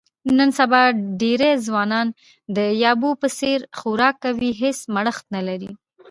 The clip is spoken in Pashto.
نن سبا ډېری ځوانان د یابو په څیر خوراک کوي، هېڅ مړښت نه لري.